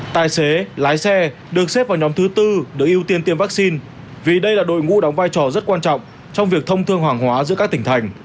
tài xế lái xe được xếp vào nhóm thứ tư được ưu tiên tiêm vaccine vì đây là đội ngũ đóng vai trò rất quan trọng trong việc thông thương hoàng hóa giữa các tỉnh thành